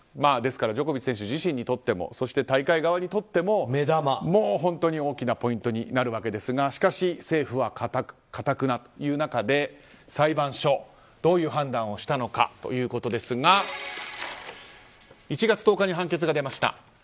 ですからジョコビッチ選手自身にとっても大会側にとっても本当に大きなポイントになるわけですがしかし政府はかたくなという中で裁判所、どういう判断をしたのかということですが１月１０日に判決が出ました。